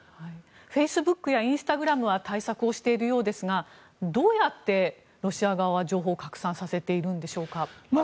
フェイスブックやインスタグラムは対策をしているようですがどうやってロシア側は情報を拡散させているんでしょうか。